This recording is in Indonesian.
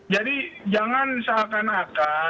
jadi jangan salahkan akan